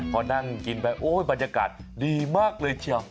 พอนั่งกินไปโอ้ยบรรยากาศดีมากเลยเชียว